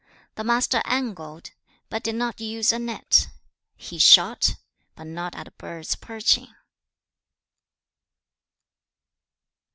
The Master angled, but did not use a net. He shot, but not at birds perching.